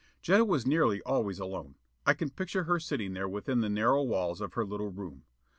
Jetta was nearly always alone. I can picture her sitting there within the narrow walls of her little room.